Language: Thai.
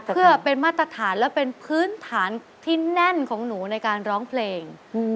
เพื่อเป็นมาตรฐานและเป็นพื้นฐานที่แน่นของหนูในการร้องเพลง